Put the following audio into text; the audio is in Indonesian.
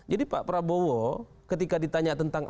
jadi pak prabowo ketika ditanya tentang ini